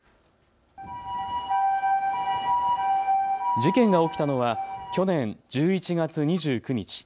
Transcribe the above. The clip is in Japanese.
事件が起きたのは去年１１月２９日。